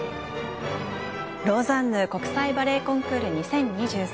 「ローザンヌ国際バレエコンクール２０２３」